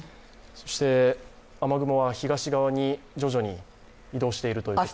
そして雨雲は東側に徐々に移動しているということです。